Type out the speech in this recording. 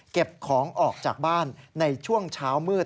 เก็บของออกจากบ้านในช่วงเช้ามืด